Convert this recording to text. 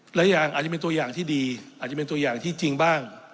หลายอย่างอาจจะเป็นตัวอย่างที่ดีอาจจะเป็นตัวอย่างที่จริงบ้าง